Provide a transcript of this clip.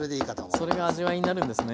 それが味わいになるんですね。